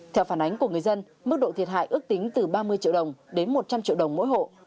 theo phản ánh của người dân mức độ thiệt hại ước tính từ ba mươi triệu đồng đến một trăm linh triệu đồng mỗi hộ